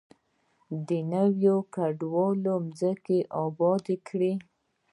نویو کډوالو ځمکې ابادې کړې.